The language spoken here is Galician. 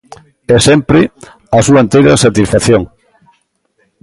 E, sempre, á súa enteira satisfacción.